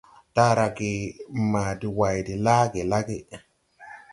Taarage maa de way de laage lage.